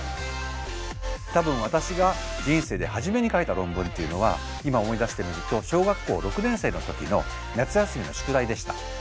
多分私が人生で初めに書いた論文っていうのは今思い出してみると小学校６年生の時の夏休みの宿題でした。